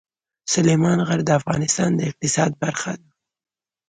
سلیمان غر د افغانستان د اقتصاد برخه ده.